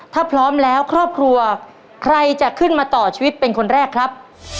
ถ้าพร้อมแล้วครอบครัวใครจะขึ้นมาต่อชีวิตเป็นคนแรกครับ